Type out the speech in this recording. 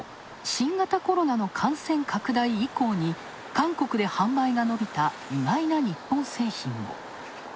一方、新型コロナの感染拡大以降に、韓国で販売がのびた意外な日本製品も。